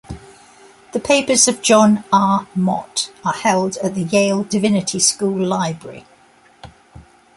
The papers of John R. Mott are held at the Yale Divinity School Library.